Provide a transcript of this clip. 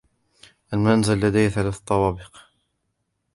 المنزل لديهِ ثلاثة طوابق.